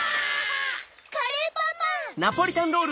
カレーパンマン！